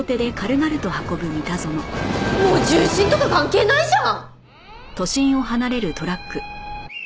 もう重心とか関係ないじゃん！